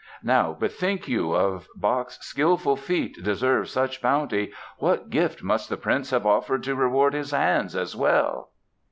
Now bethink you, if Bach's skilful feet deserved such bounty what gift must the prince have offered to reward his hands as well?"